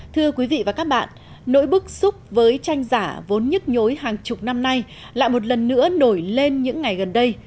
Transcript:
thưa quý vị và các bạn nỗi bức xúc với tranh giả vốn nhức nhối hàng chục năm nay lại một lần nữa nổi lên những ngày gần đây